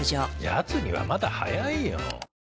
やつにはまだ早いよ。